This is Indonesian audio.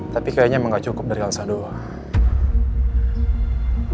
tapi kayaknya emang gak cukup dari elsa doa